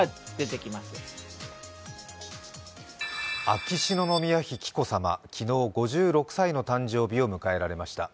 秋篠宮妃・紀子さま、昨日５６歳の誕生日を迎えられました。